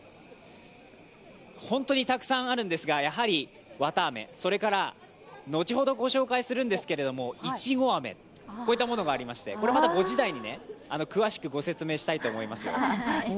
本当にたくさんあるんですが、やはり綿あめ、それから後ほどご紹介するんですけれども、いちご飴、こういったものがありまして５時台に詳しくご説明したいと思いますよ。